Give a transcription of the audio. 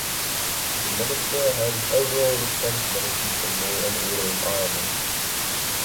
The Minister has overall responsibility for law and order in Ireland.